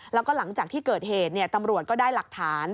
แล้วก็หลังจากที่เกิดเหตุตำรวจก็ได้หลักฐาน